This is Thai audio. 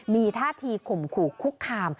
มีท่าทีข่มขู่คุกคาม